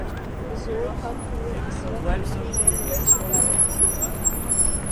حضور حق میں اسرافیل نے میری شکایت کی